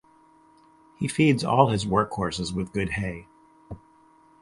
He feeds all his workhorses with good hay.